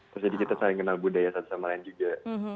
terus jadi kita saling kenal budaya satu sama lain juga